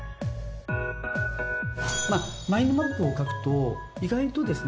マインドマップを描くと意外とですね